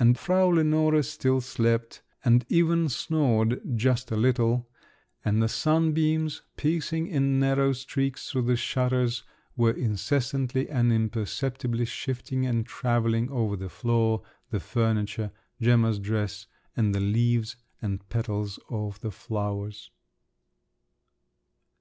And Frau Lenore still slept, and even snored just a little, and the sunbeams, piercing in narrow streaks through the shutters, were incessantly and imperceptibly shifting and travelling over the floor, the furniture, Gemma's dress, and the leaves and petals of the flowers.